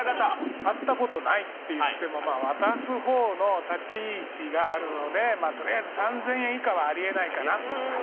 会ったことないっていってもまあ、渡すほうの立ち位置があるので、とりあえず３０００円以下はありえないかなっていう感じ。